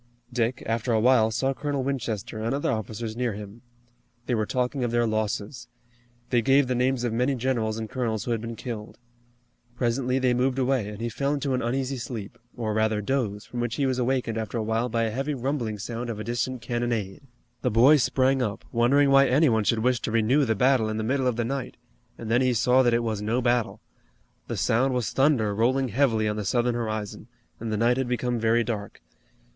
Dick, after a while, saw Colonel Winchester, and other officers near him. They were talking of their losses. They gave the names of many generals and colonels who had been killed. Presently they moved away, and he fell into an uneasy sleep, or rather doze, from which he was awakened after a while by a heavy rumbling sound of a distant cannonade. The boy sprang up, wondering why any one should wish to renew the battle in the middle of the night, and then he saw that it was no battle. The sound was thunder rolling heavily on the southern horizon, and the night had become very dark.